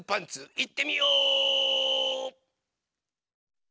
いってみよ！